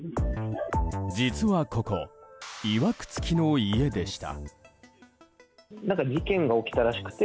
実はここいわく付きの家でした。